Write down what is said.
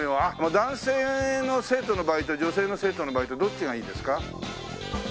男性の生徒の場合と女性の生徒の場合とどっちがいいですか？